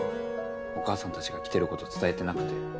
お母さんたちが来てること伝えてなくて。